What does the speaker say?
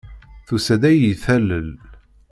Tusa-d ad iyi-talel.